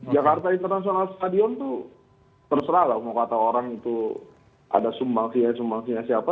jakarta international stadium tuh terserah lah mau kata orang itu ada sumbang sumbangnya siapa